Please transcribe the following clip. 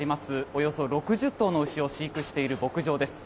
およそ６０頭の牛を飼育している牧場です。